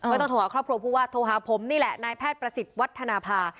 ต้องโทรหาครอบครัวผู้ว่าโทรหาผมนี่แหละนายแพทย์ประสิทธิ์วัฒนภา